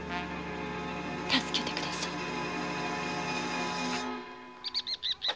助けてください。